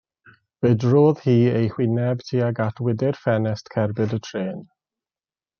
Fe drodd hi ei hwyneb tuag at wydr ffenest cerbyd y trên.